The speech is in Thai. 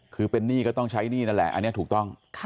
คือเป็นหนี้ก็ต้องใช้หนี้นั่นแหละอันนี้ถูกต้อง